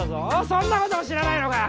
そんなことも知らないのか？